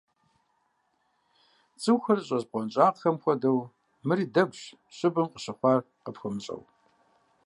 ЦӀыхухэр зыщӀэс бгъуэнщӀагъым хуэдэу, мыри дэгущ, щӀыбым къыщыхъур къыпхуэмыщӀэу.